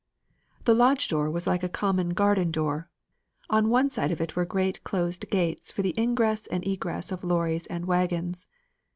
The lodge door was like a common garden door; on one side of it were great closed gates for the ingress and egress of lorries and wagons.